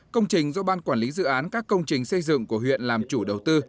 công trình do ban quản lý dự án các công trình xây dựng của huyện làm chủ đầu tư